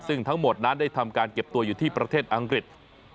ซึ่งทั้งหมดนั้นได้ทำการเก็บตัวอยู่ที่ประเทศอังกฤษ